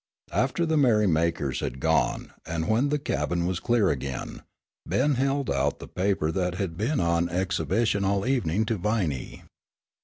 After the merrymakers had gone, and when the cabin was clear again, Ben held out the paper that had been on exhibition all evening to Viney.